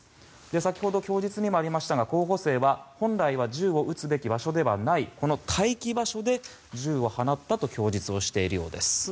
先ほど、供述にもありましたが候補生は本来は銃を撃つ場所ではない待機場所で銃を放ったと供述しているようです。